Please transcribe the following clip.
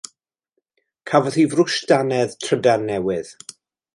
Cafodd hi frwsh dannedd trydan newydd.